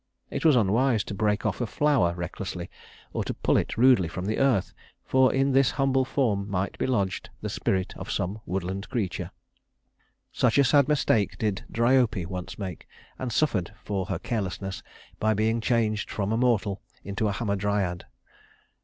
It was unwise to break off a flower recklessly, or to pull it rudely from the earth, for in this humble form might be lodged the spirit of some woodland creature. Such a sad mistake did Dryope once make, and suffered for her carelessness by being changed from a mortal into a Hamadryad.